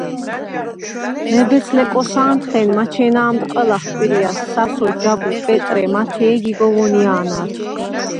მებეც-ლეკოსა̄ნდხენ მაჩენა̄მდ ყჷლახ კვირიაჲს სასო, ჯაბუ, პეტრე, მათე ი გიგო ვონია̄ნარ.